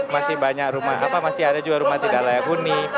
masih banyak rumah apa masih ada juga rumah tidak layak huni